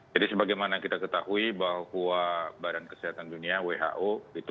jadi sebagaimana kita ketahui bahwa badan kesehatan dunia who